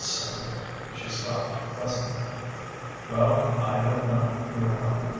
"Cynic!" she scoffed pleasantly. "Well, I don't know," he went on.